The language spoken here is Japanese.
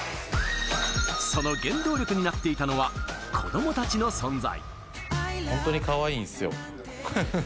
その原動力になっていたのは、子供たちの存在。